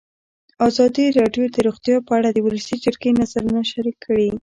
ازادي راډیو د روغتیا په اړه د ولسي جرګې نظرونه شریک کړي.